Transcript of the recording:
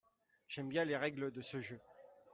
J'aime bien les règles de ce jeu.